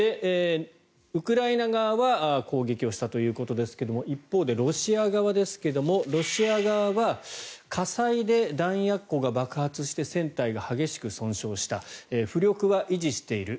ウクライナ側は攻撃をしたということですが一方でロシア側ですがロシア側は火災で弾薬庫が爆発して船体が激しく損傷した浮力は維持している。